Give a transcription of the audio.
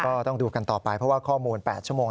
ก็ต้องดูกันต่อไปเพราะว่าข้อมูล๘ชั่วโมง